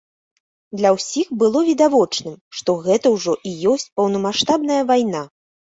Для ўсіх было відавочным, што гэта ўжо і ёсць паўнамаштабная вайна.